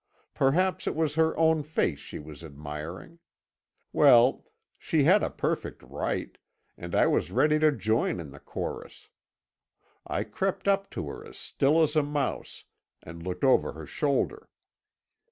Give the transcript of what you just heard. Perhaps it was her own face she was admiring. Well, she had a perfect right, and I was ready to join in the chorus. I crept up to her as still as a mouse, and looked over her shoulder.